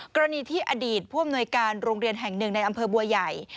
กรณีที่อดีตผู้อำนวยการโรงเรียนแห่งหนึ่งในอำเภอบัวใหญ่